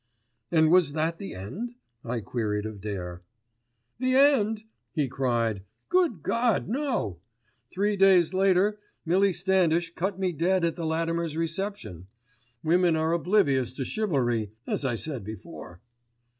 "And was that the end?" I queried of Dare. "The end?" he cried. "Good God, no! Three days later Millie Standish cut me dead at the Latimer's reception. Women are oblivious to chivalry as I said before."